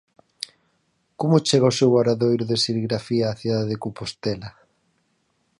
Como chega o seu obradoiro de serigrafía á cidade de Compostela?